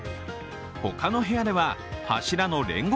他の部屋では柱の煉獄